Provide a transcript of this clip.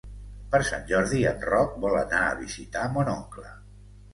Per Sant Jordi en Roc vol anar a visitar mon oncle.